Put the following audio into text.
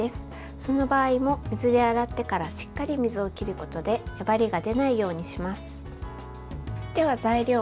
その場合も水で洗ってからしっかり水を切ることで粘りが出ないようにします。